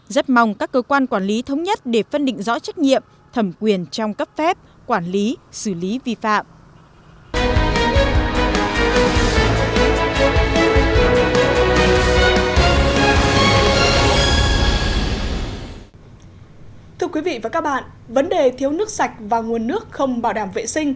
rất mong các cơ quan quản lý thống nhất để phân định rõ trách nhiệm thẩm quyền trong cấp phép quản lý xử lý vi phạm